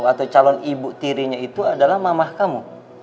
atau calon ibu tirinya itu adalah mamah kamu